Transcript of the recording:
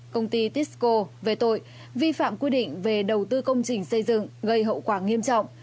công ty tisco về tội vi phạm quy định về đầu tư công trình xây dựng gây hậu quả nghiêm trọng